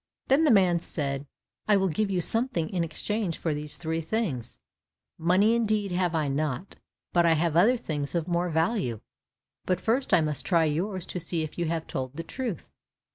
Then the man said, "I will give you something in exchange for these three things. Money indeed have I not, but I have other things of more value; but first I must try yours to see if you have told the truth."